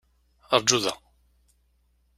Ṛju da.